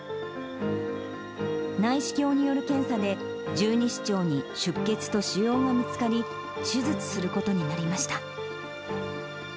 内視鏡による検査で、十二指腸に出血と腫瘍が見つかり、手術することになりました。